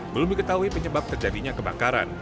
belum diketahui penyebab terjadinya kebakaran